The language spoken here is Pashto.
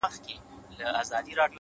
هوښیار فکر له بیړې لرې وي.